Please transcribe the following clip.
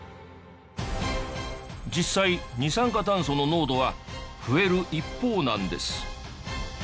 実際二酸化炭素の濃度は増える一方なんです。